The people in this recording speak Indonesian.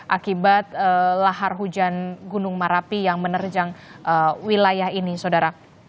akibat lahar hujan gunung merapi yang menerjang wilayah ini saudara